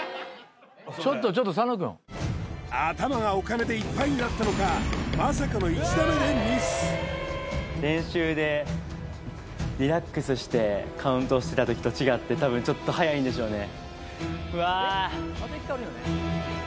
ちょっとちょっと佐野くん頭がお金でいっぱいになったのかまさかの１打目でミス練習でリラックスしてカウントをしてた時と違って多分ちょっと早いんでしょうね